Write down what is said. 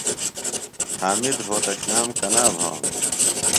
حامد رھوتشنام کنا بھانوۡ؟